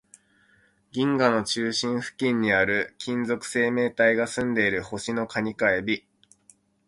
銀河の中心付近にある、金属生命体が住んでいる星の蟹か海老